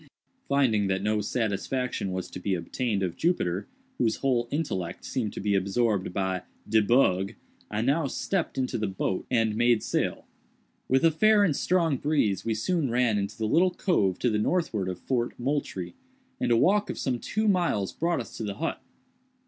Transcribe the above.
Finding that no satisfaction was to be obtained of Jupiter, whose whole intellect seemed to be absorbed by "de bug," I now stepped into the boat and made sail. With a fair and strong breeze we soon ran into the little cove to the northward of Fort Moultrie, and a walk of some two miles brought us to the hut.